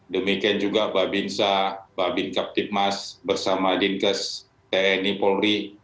demikian juga babinsa babin kaptipmas bersama dinkes tni polri